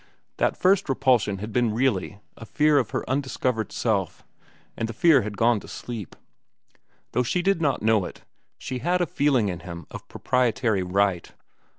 That first repulsion had been really a fear of her undiscovered self, and the fear had gone to sleep. Though she did not know it, she had a feeling in him of proprietary right.